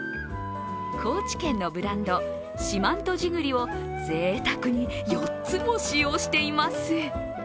高知県のブランドしまんと地栗をぜいたくに４つも使用しています。